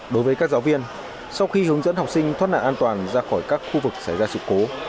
đối với các giáo viên sau khi hướng dẫn học sinh thoát nạn an toàn ra khỏi các khu vực xảy ra sự cố